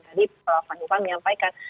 jadi prof nipah menyampaikan